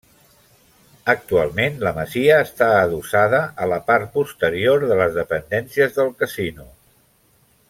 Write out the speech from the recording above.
Actualment la masia està adossada a la part posterior de les dependències del Casino.